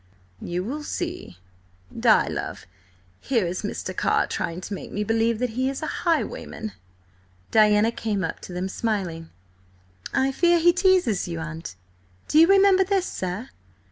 "You will see. Di, love, here is Mr. Carr trying to make me believe that he is a highwayman!" Diana came up to them smiling. "I fear he teases you, aunt. Do you remember this, sir?"